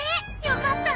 よかった。